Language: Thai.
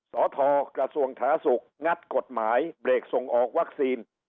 สตกระทรวงฐาศุกร์งัดกฎหมายเบรกส่งออกวัคซีน